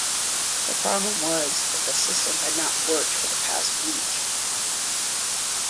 The problem was that the system had not worked for the past week